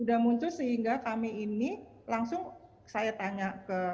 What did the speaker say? sudah muncul sehingga kami ini langsung saya tanya ke